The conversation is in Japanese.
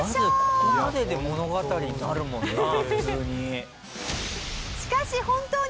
まずここまでで物語になるもんな普通に。